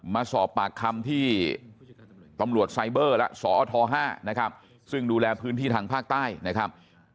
มาสอบปากคำที่ตำรวจไซเบอร์และสอท๕นะครับซึ่งดูแลพื้นที่ทางภาคใต้นะครับ